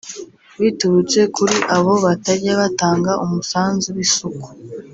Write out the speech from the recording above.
biturutse kuri abo batajya batanga umusanzu w’isuku